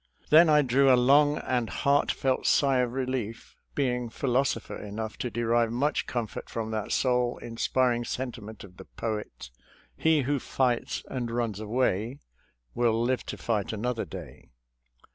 Then I drew a long and heartfelt sigh of relief, being philosopher enough to derive much com fort from that soul inspiring sentiment of the poet, " He who fights and runs away Will live to fight another day."